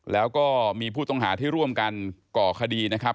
แล้วก็มีผู้ต้องหาที่ร่วมกันก่อคดีนะครับ